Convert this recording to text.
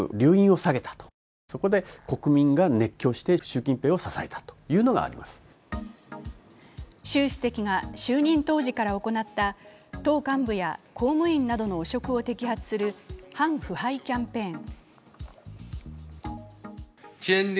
習主席の権力が強まった理由を専門家は習主席が就任当時から行った党幹部や公務員などの汚職を摘発する反腐敗キャンペーン。